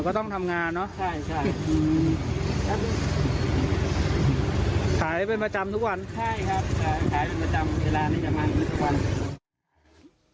ก็ต้องทำงานเนอะใช่ใช่ขายเป็นประจำทุกวันใช่ครับขายเป็นประจำเวลานี้ประมาณ๑วัน